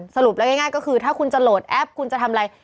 สรุปแล้วง่ายก็คือถ้าคุณจะโหลดแอปคุณจะทำอะไร